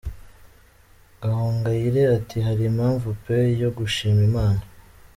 Gahongayire ati 'Hari impamvu pe yo gushima Imana'.